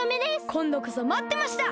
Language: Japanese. こんどこそまってました！